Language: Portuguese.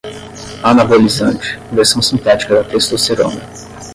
anabolizante, versão sintética da testosterona